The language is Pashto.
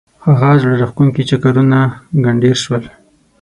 هغه زړه راکښونکي چکرونه ګنډېر شول.